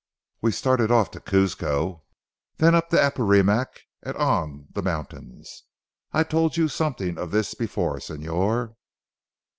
We started off to Cuzco, then up the Apurimac and on the mountains. I told you something of this before Señor.